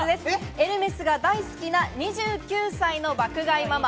エルメスが大好きな２９歳の爆買いママ。